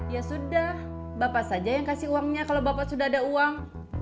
ya sudah bapak saja yang kasih uangnya kalau bapak sudah ada uang